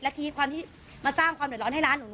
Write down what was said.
และทีความที่มาสร้างความเดือดร้อนให้ร้านหนู